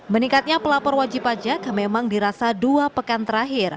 meningkatnya pelapor wajib pajak memang dirasa dua pekan terakhir